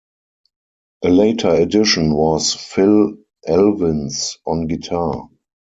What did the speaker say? A later addition was Phil Elvins on guitar.